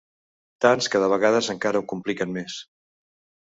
Tants que de vegades encara ho compliquen més.